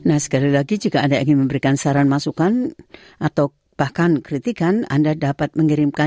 anda bersama sbs bahasa indonesia